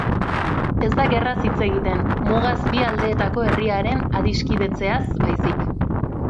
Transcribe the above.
Ez da gerraz hitz egiten, mugaz bi aldeetako herriaren adiskidetzeaz baizik.